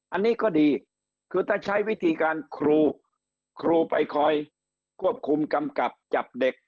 อันนี้ก็ดีคือถ้าใช้วิธีการครูครูไปคอยควบคุมกำกับจับเด็ก